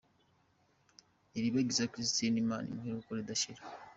Iribagiza Christine Imana imuhe iruhuko ridashira.